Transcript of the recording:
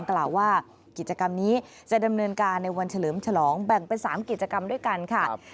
กล่าวว่ากิจกรรมนี้จะดำเนินการในวันเฉลิมฉลองแบ่งเป็น๓กิจกรรมด้วยกันค่ะ